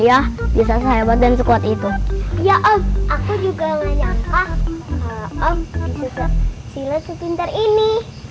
ayah aku nggak nyangka deh ayah bisa sehebat dan sekuat itu ya om aku juga nggak nyangka kalau om bisa silet sepintar ini